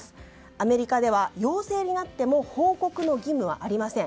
アメリカでは陽性になっても報告の義務はありません。